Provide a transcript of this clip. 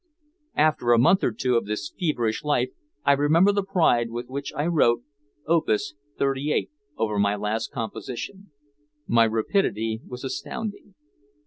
After a month or two of this feverish life I remember the pride with which I wrote "Opus 38" over my last composition. My rapidity was astounding!